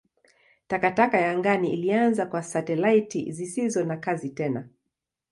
Takataka ya angani ilianza kwa satelaiti zisizo na kazi tena.